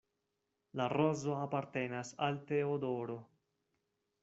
La rozo apartenas al Teodoro.